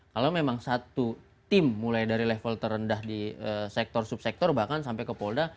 kalau memang satu tim mulai dari level terendah di sektor subsektor bahkan sampai ke polda